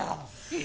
え？